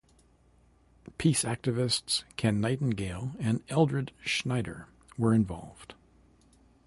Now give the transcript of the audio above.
Peace activists Ken Nightingale and Eldred Schneider were involved.